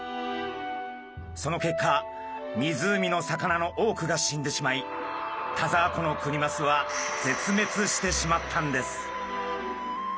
その結果湖の魚の多くが死んでしまい田沢湖のクニマスは絶滅してしまったんです。